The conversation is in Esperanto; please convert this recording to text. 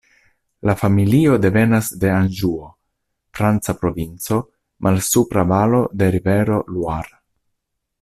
La familio devenas el Anĵuo, franca provinco, malsupra valo de rivero Loire.